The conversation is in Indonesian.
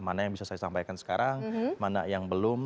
mana yang bisa saya sampaikan sekarang mana yang belum